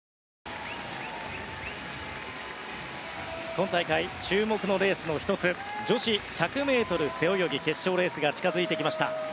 今大会注目のレースの１つ女子１００ｍ背泳ぎ決勝レースが近づいてきました。